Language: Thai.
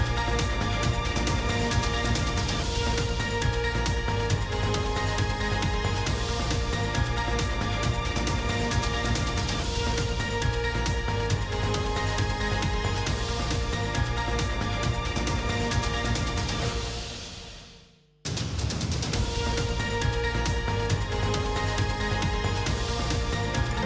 โปรดติดตามตอนต่อไป